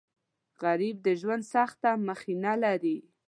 غریب د ژوند سخته مخینه لري